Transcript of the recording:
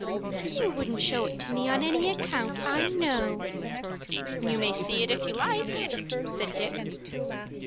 "You wouldn't show it to me on any account, I know." "You may see it if you like," said Dick.